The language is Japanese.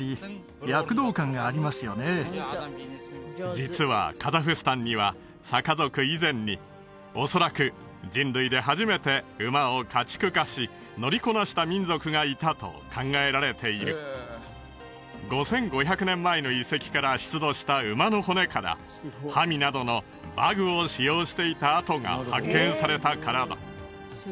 実はカザフスタンにはサカ族以前に恐らく人類で初めて馬を家畜化し乗りこなした民族がいたと考えられている５５００年前の遺跡から出土した馬の骨からハミなどの馬具を使用していた跡が発見されたからだ